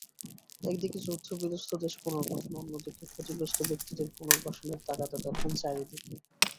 একদিকে যুদ্ধবিধ্বস্ত দেশ পুনর্গঠন, অন্যদিকে ক্ষতিগ্রস্ত ব্যক্তিদের পুনর্বাসনের তাগাদা তখন চারদিকে।